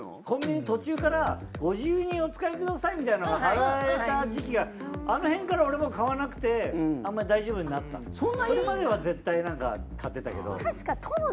コンビニ途中からご自由にお使いくださいみたいなのが貼られた時期があの辺から俺も買わなくてあんま大丈夫になったそれまでは絶対なんか買ってたけど。